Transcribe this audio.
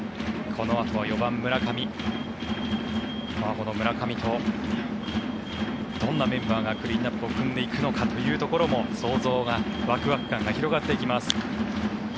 この村上とどんなメンバーがクリーンアップを組んでいくのかというところも想像がワクワク感が広がっていきます。